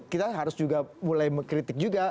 kita harus juga mulai mengkritik juga